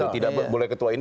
tidak boleh ketua ini